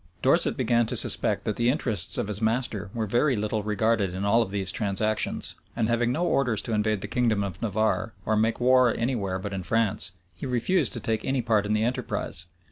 Dorset began to suspect that the interests of his master were very little regarded in all these transactions; and having no orders to invade the kingdom of Navarre, or make war any where but in France, he refused to take any part in the enterprise.